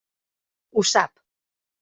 Ho sap.